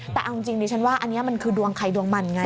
แต่เอาจริงดิฉันว่าอันนี้มันคือดวงใครดวงมันไง